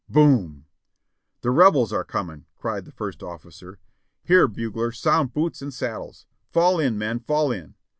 Boom ! "The Rebels are coming!" cried the first officer. "Here, bugler, sound 'boots and saddles.' Fall in, men, fall in!"